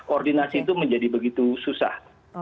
koordinasi itu menjadi begitu susah